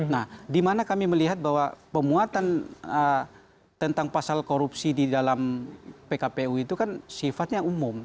nah dimana kami melihat bahwa pemuatan tentang pasal korupsi di dalam pkpu itu kan sifatnya umum